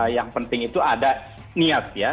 yang penting itu ada niat ya